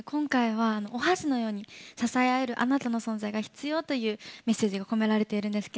お箸のように支え合えるあなたの存在が必要というメッセージが込められています。